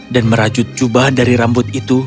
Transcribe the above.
dan merajut jubah dari rambut itu